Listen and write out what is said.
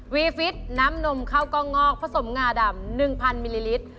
ฟิตน้ำนมข้าวกล้องงอกผสมงาดำ๑๐๐มิลลิลิตร